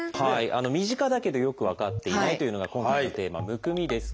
身近だけどよく分かっていないというのが今回のテーマ「むくみ」ですけども。